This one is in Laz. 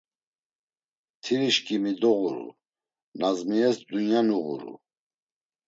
Mtirişǩimi doğuru, Nazmiyes dunya nuğuru.